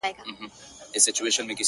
خو مخته دي ځان هر ځلي ملنگ در اچوم ـ